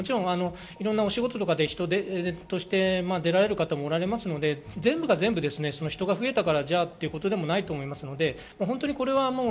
いろんな仕事などで出られる方もいらっしゃいますので、全部が全部、人が増えたからということでもないと思います。